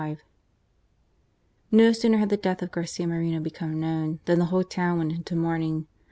1875. No sooner had the death of Garcia Moreno become known than the whole town went into mourning.